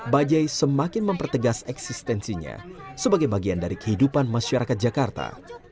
bajai semakin mempertegas eksistensinya sebagai bagian dari kehidupan masyarakat jakarta